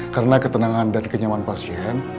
karena ketenangan dan kenyaman pasien